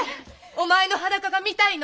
お前の裸が見たいの！